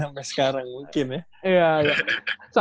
sampai sekarang mungkin ya